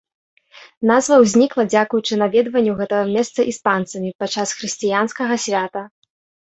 Назва ўзнікла дзякуючы наведванню гэтага месца іспанцамі падчас хрысціянскага свята.